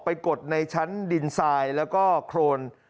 กดในชั้นดินทรายแล้วก็โครน